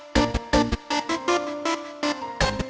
gue gak bawa telepon lagi